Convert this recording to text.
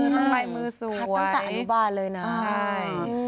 คัดลายมือสวยคัดตั้งแต่อนุบาลเลยนะใช่คัดตั้งแต่อนุบาลเลยนะ